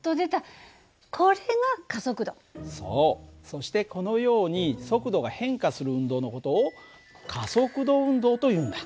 そしてこのように速度が変化する運動の事を加速度運動というんだ。